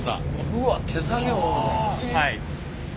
うわっ手作業で。